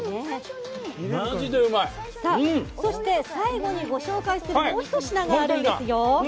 そして、最後にご紹介するもうひと品があります。